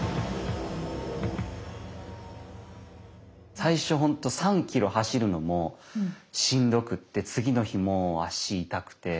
最初本当３ｋｍ走るのもしんどくって次の日も足痛くて。